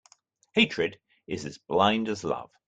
Hatred is as blind as love.